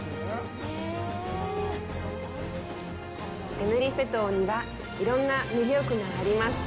テネリフェ島には、いろんな魅力があります。